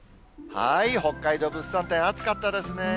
北海道物産展、暑かったですね。